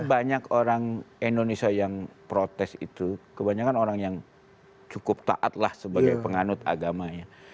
banyak orang indonesia yang protes itu kebanyakan orang yang cukup taat lah sebagai penganut agama ya